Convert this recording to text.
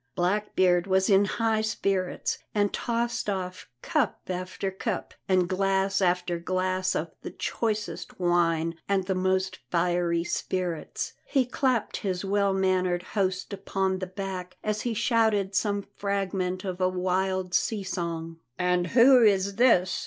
Blackbeard was in high spirits and tossed off cup after cup and glass after glass of the choicest wine and the most fiery spirits. He clapped his well mannered host upon the back as he shouted some fragment of a wild sea song. "And who is this?"